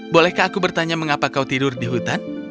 bolehkah aku bertanya mengapa kau tidur di hutan